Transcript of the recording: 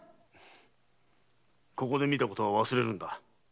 ここで見たことは忘れるんだ。